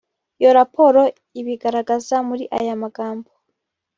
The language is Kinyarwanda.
Iyo raporo ibigaragaza muri aya magambo